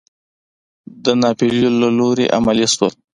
د ناپیلیون له لوري عملي شول.